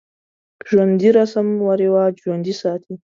ژوندي رسم و رواج ژوندی ساتي